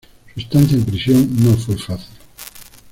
Su estancia en prisión no fue fácil.